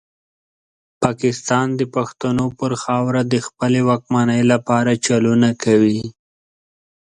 پاکستان د پښتنو پر خاوره د خپلې واکمنۍ لپاره چلونه کوي.